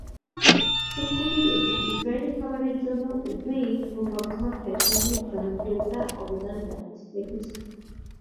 ফুলকপি এবং ইস্রায়েলি খাবারের জন্য উভয়ই ক্রমবর্ধমান ফ্যাশন এর জনপ্রিয়তায় অবদান রেখেছে।